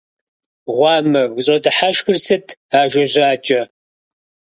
Гъуамэ! УщӀэдыхьэшхыр сыт, ажэ жьакӀэ?!